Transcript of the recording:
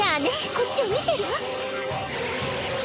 こっちを見てるわ。